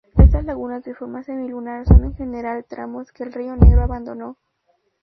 Estas lagunas de forma semilunar son en general tramos que el río Negro abandonó.